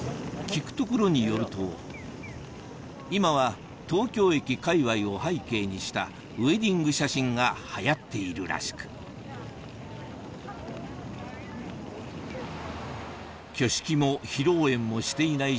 聞くところによると今は東京駅かいわいを背景にしたウエディング写真が流行っているらしく挙式も披露宴もしていない